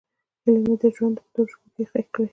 هیلې مې د ژوند په تورو شپو کې ښخې دي.